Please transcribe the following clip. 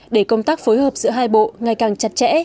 để công tác phối hợp giữa hai bộ ngày càng chặt chẽ